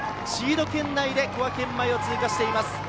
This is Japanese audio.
シード圏内で小涌園前を通過していきます。